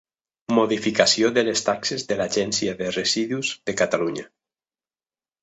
Modificació de les taxes de l'Agència de Residus de Catalunya.